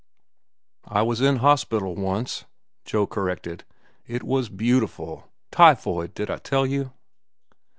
"I was in hospital, once," Joe corrected. "It was beautiful. Typhoid—did I tell you?"